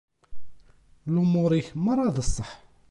Lumuṛ-ik merra d ṣṣeḥḥ.